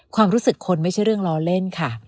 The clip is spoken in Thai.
ความรู้สึกคนไม่ใช่เรื่องล้อเล่นค่ะ